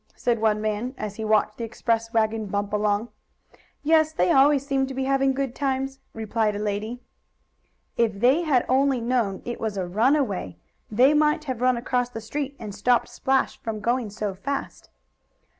said one man, as he watched the express wagon bump along. "Yes, they always seem to be having good times," replied a lady. If they had only known it was a runaway, they might have run across the street and stopped Splash from going so fast.